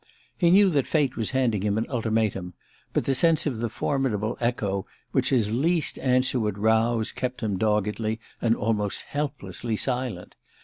He knew that fate was handing him an ultimatum; but the sense of the formidable echo which his least answer would rouse kept him doggedly, and almost helplessly, silent.